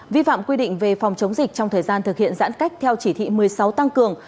vi phạm quy định về phòng chống dịch trong thời gian thực hiện giãn cách theo chỉ thị một mươi sáu tăng cường